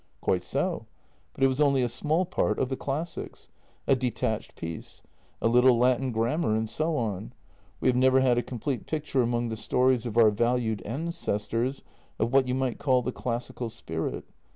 " Quite so. But it was only a small part of the classics — a detached piece. A little Latin grammar and so on. We have never had a complete picture among the stories of our valued ancestors of what you might call the classical spirit.